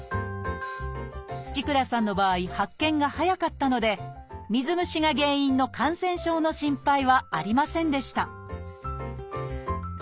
土倉さんの場合発見が早かったので水虫が原因の感染症の心配はありませんでした